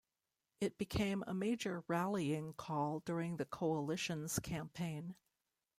It became a major rallying call during the coalition's campaign.